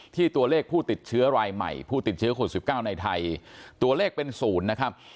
ตัวเลขผู้ติดเชื้อรายใหม่ผู้ติดเชื้อโควิด๑๙ในไทยตัวเลขเป็นศูนย์นะครับ